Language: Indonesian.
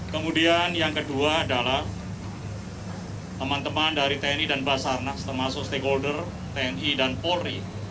kemudian yang kedua adalah teman teman dari tni dan basarnas termasuk stakeholder tni dan polri